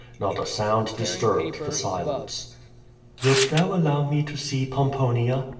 Not a sound disturbed the silence. "Wilt thou allow me to see Pomponia?"